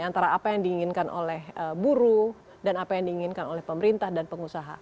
antara apa yang diinginkan oleh buruh dan apa yang diinginkan oleh pemerintah dan pengusaha